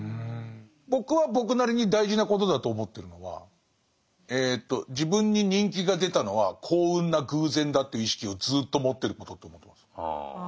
僕は僕なりに大事なことだと思ってるのは自分に人気が出たのは幸運な偶然だっていう意識をずっと持ってることと思ってます。